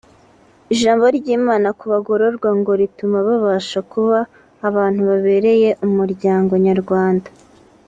Ijambo ry’Imana ku bagororwa ngo rituma babasha kuba abantu babereye Umuryango Nyarwanda